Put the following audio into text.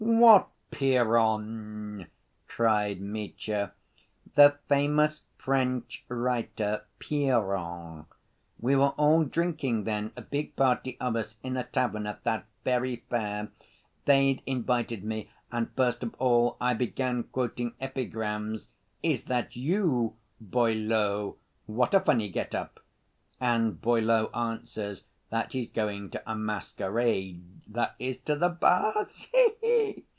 "What Piron?" cried Mitya. "The famous French writer, Piron. We were all drinking then, a big party of us, in a tavern at that very fair. They'd invited me, and first of all I began quoting epigrams. 'Is that you, Boileau? What a funny get‐up!' and Boileau answers that he's going to a masquerade, that is to the baths, he he!